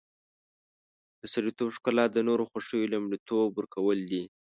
د سړیتوب ښکلا د نورو خوښي لومړیتوب ورکول دي.